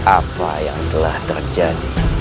apa yang telah terjadi